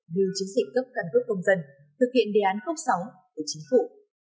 như chứng dịch cấp cân cước công dân thực hiện đề án cốc sáu của chính phủ